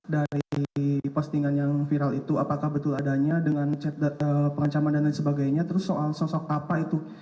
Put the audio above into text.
dari postingan yang viral itu apakah betul adanya dengan chat pengancaman dan lain sebagainya terus soal sosok apa itu